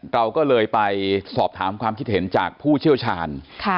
เราก็เลยไปสอบถามความคิดเห็นจากผู้เชี่ยวชาญ